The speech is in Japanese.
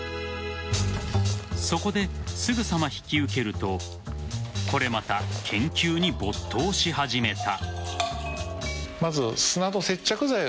そこで、すぐさま引き受けるとこれまた、研究に没頭し始めた。